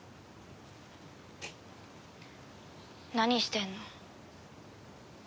何してんの？